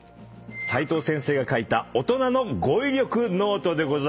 齋藤先生が書いた『大人の語彙力ノート』です。